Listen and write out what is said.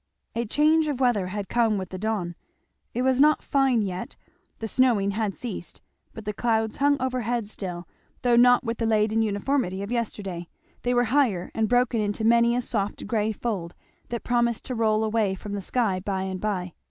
A change of weather had come with the dawn. It was not fine yet. The snowing had ceased, but the clouds hung overhead still, though not with the leaden uniformity of yesterday; they were higher and broken into many a soft grey fold, that promised to roll away from the sky by and by.